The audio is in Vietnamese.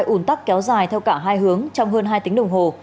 ùn tắc kéo dài theo cả hai hướng trong hơn hai tính đồng hồ